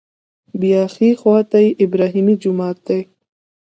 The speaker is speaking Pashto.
بیا ښي خوا ته ابراهیمي جومات دی.